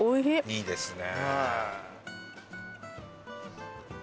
いいですね。